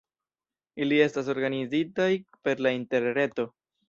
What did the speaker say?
Ili estas organizitaj per la interreto.